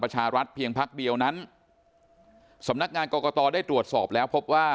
รัฐเพียงพักเดียวนั้นสำนักงานกรกตได้ตรวจสอบแล้วพบว่า